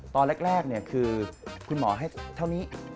ตอนแรกคือคุณหมอให้เท่านี้